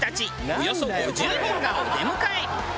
およそ５０人がお出迎え。